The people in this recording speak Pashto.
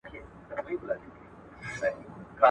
مخامخ راته بلا وه زه ولاړ وم